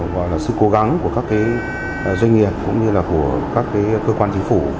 gọi là sự cố gắng của các doanh nghiệp cũng như là của các cơ quan chính phủ